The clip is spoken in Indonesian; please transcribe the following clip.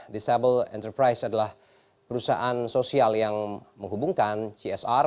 disable enterprise adalah perusahaan sosial yang menghubungkan csr